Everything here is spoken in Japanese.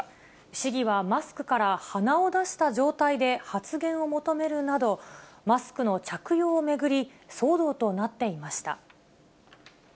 市議はマスクから鼻を出した状態で発言を求めるなど、マスクの着用を巡り、騒動となっていました。